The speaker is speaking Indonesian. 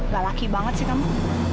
gak laki banget sih kamu